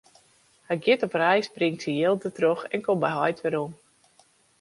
Hy giet op reis, bringt syn jild dertroch en komt by heit werom.